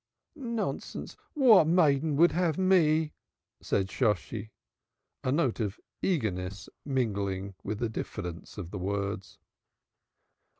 "Nonsense, what maiden would have me?" said Shosshi, a note of eagerness mingling with the diffidence of the words.